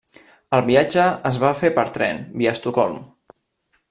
El viatge es va fer per tren, via Estocolm.